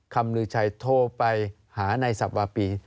คำนือชัยโทรไปหานายศัพท์วาปี